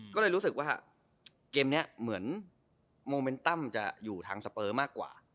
ก็เลยรู้สึกว่าเกมนี้เหมือนโมเมนตั้มจะอยู่ทางสเปอร์มากกว่า